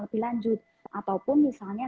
lebih lanjut ataupun misalnya